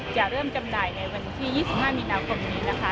จะเริ่มจำหน่ายในวันที่๒๕มีนาคมนี้นะคะ